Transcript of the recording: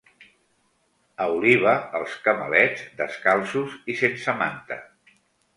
A Oliva, els camalets, descalços i sense manta.